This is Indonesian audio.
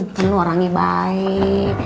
tuh lu orangnya baik